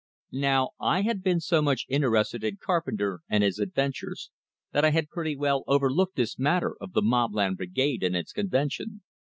Now, I had been so much interested in Carpenter and his adventures that I had pretty well overlooked this matter of the Mobland Brigade and its convention.